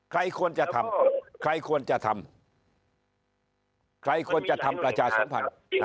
ใครควรจะทำใครควรจะทำใครควรจะทำประชาสัมพันธ์